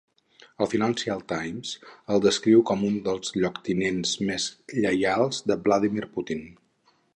El "Financial Times" el descriu com un dels lloctinents més lleials de Vladimir Putin.